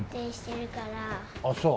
ああそう。